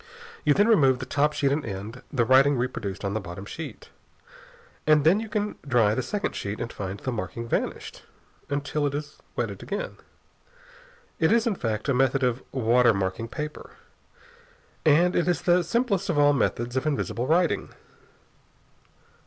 You then remove the top sheet and end the writing reproduced on the bottom sheet. And then you can dry the second sheet and find the marking vanished until it is wetted again. It is, in fact, a method of water marking paper. And it is the simplest of all methods of invisible writing.